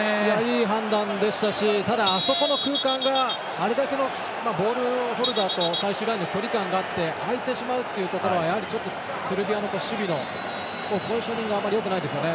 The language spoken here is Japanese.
いい判断でしたしただ、あそこの空間があれだけのボールホルダーと最終ラインの距離感があって空いてしまうっていうのはセルビアの守備のポジショニングがあまりよくないですよね。